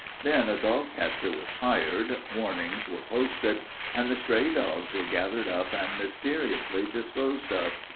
Then a dog catcher was hired, warnings were posted, and the stray dogs were gathered up and mysteriously disposed of.